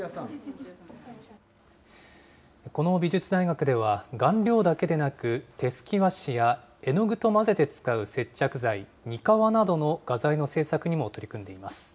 この美術大学では顔料だけでなく、手すき和紙や絵具と混ぜて使う接着材、にかわなどの画材の制作にも取り組んでいます。